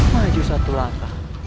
maju satu langkah